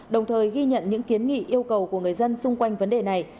đồng thời ghi nhận những kiến nghị yêu cầu của người dân xung quanh vấn đề này